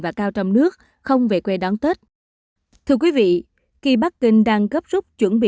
và cao trong nước không về quê đón tết thưa quý vị khi bắc kinh đang gấp rút chuẩn bị